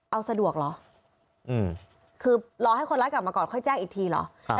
เอาสะดวกเหรอคือรอให้คนร้ายกลับมาก่อนค่อยแจ้งอีกทีเหรอ